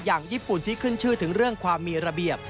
อย่างญี่ปุ่นที่ขึ้นชื่อถึงเรื่องความมีระเบียบ